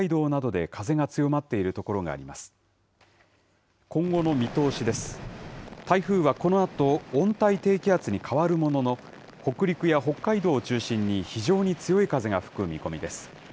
台風はこのあと温帯低気圧に変わるものの、北陸や北海道を中心に非常に強い風が吹く見込みです。